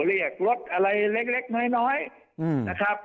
เรียกรถอะไรเล็กน้อยนะครับ